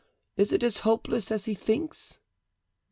Is it as hopeless as he thinks?"